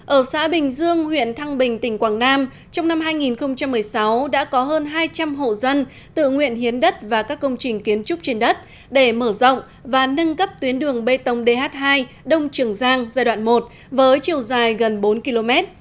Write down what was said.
ở xã bình dương huyện thăng bình tỉnh quảng nam trong năm hai nghìn một mươi sáu đã có hơn hai trăm linh hộ dân tự nguyện hiến đất và các công trình kiến trúc trên đất để mở rộng và nâng cấp tuyến đường bê tông dh hai đông trường giang giai đoạn một với chiều dài gần bốn km